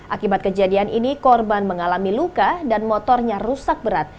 akibat kejadian ini korban mengalami luka dan motornya rusak berat